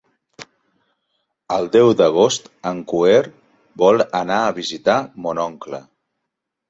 El deu d'agost en Quer vol anar a visitar mon oncle.